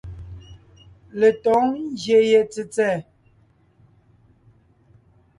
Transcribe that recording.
Letǒŋ ngyè ye tsètsɛ̀ɛ.